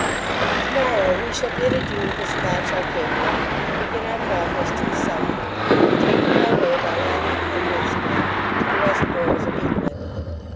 To morrow we shall bid adieu to the Scotch Arcadia, and begin our progress to the southward, taking our way by Lanerk and Nithsdale, to the west borders of England.